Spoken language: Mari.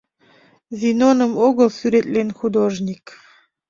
Зиноным огыл сӱретлен художник».